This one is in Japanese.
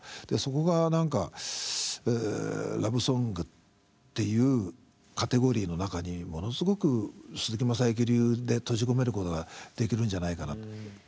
そこが何かラブソングっていうカテゴリーの中にものすごく鈴木雅之流で閉じ込めることができるんじゃないかな。